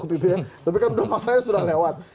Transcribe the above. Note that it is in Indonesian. tapi kan masa sudah lewat